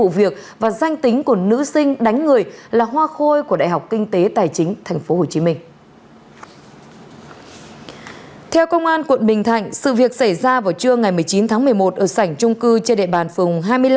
việc xảy ra vào trưa ngày một mươi chín tháng một mươi một ở sảnh trung cư trên đệ bàn phường hai mươi năm